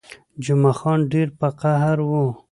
جمعه خان ډېر په قهر وو.